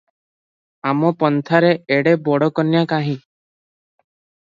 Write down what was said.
ଆମ ପନ୍ଥାରେ ଏଡେ ବଡ଼ କନ୍ୟା କାହିଁ?